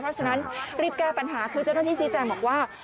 เพราะฉะนั้นรีบแก้ปัญหาคือเจ้าหน้าที่ชี้แจงบอกว่า